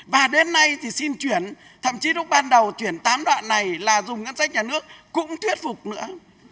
và đến nay thì xin chuyển thậm chí lúc ban đầu chuyển tám đoạn này là dùng ngân sách nhà nước cũng thuyết phục nữa